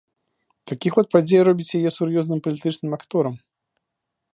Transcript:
Такі ход падзей робіць яе сур'ёзным палітычным акторам.